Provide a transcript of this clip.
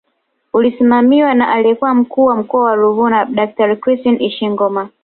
Ulisimamiwa na aliyekuwa Mkuu wa Mkoa wa Ruvuma Daktari Christine Ishengoma